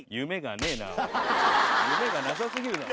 夢がなさ過ぎるだろ。